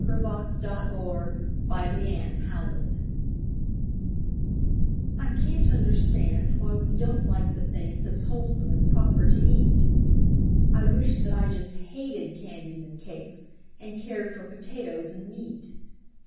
Edgar Fawcett A Sad Case I CAN'T understand why we don't like the things It's wholesome and proper to eat; I wish that I just hated candies and cakes, And cared for potatoes and meat.